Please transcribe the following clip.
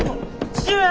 父上！